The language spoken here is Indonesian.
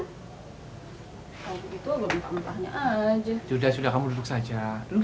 hai itu mumpanya aja sudah sudah kamu duduk saja dulu saja